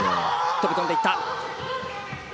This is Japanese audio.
飛び込んでいった。